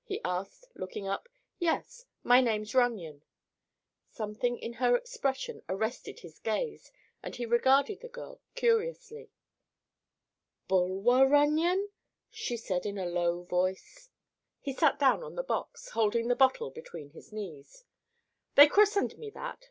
he asked, looking up. "Yes; my name's Runyon." Something in her expression arrested his gaze and he regarded the girl curiously. "Bulwer Runyon?" she said in a low voice. He sat down on the box, holding the bottle between his knees. "They christened me that.